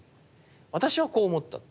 私はこう思ったって。